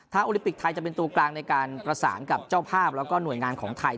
โอลิปิกไทยจะเป็นตัวกลางในการประสานกับเจ้าภาพแล้วก็หน่วยงานของไทย